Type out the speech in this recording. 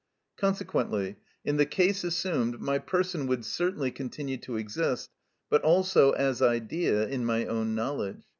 Consequently, in the case assumed, my person would certainly continue to exist, but still as idea, in my own knowledge.